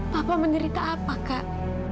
papa menderita apa kak